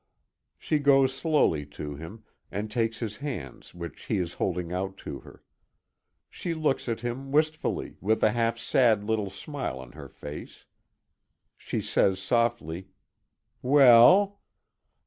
She goes slowly to him, and takes his hands which he is holding out to her. She looks at him wistfully, with a half sad little smile on her face. She says softly: "Well?"